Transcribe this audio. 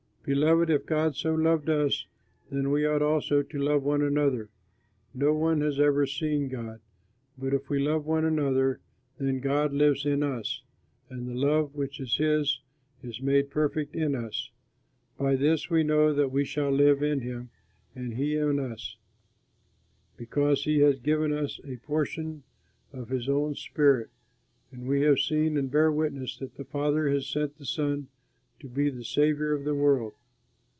Beloved, if God so loved us, then we ought also to love one another. No one has ever seen God; but if we love one another, then God lives in us, and the love which is his is made perfect in us. By this we know that we shall live in him and he in us, because he has given us a portion of his own Spirit, and we have seen and bear witness that the Father has sent the Son to be the Saviour of the world.